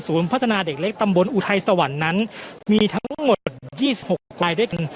พัฒนาเด็กเล็กตำบลอุทัยสวรรค์นั้นมีทั้งหมด๒๖รายด้วยกัน